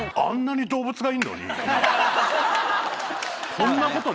こんなことに。